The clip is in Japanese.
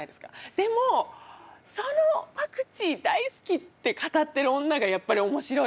でもそのパクチー大好きって語ってる女がやっぱり面白い。